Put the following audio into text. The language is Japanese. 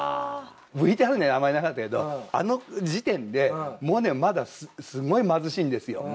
ＶＴＲにはあまりなかったけどあの時点でモネまだすごい貧しいんですよ。